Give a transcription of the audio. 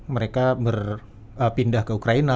mereka berpindah ke ukraina